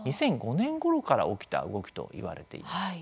２００５年ごろから起きた動きと言われています。